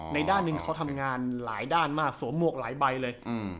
ด้านหนึ่งเขาทำงานหลายด้านมากสวมหมวกหลายใบเลย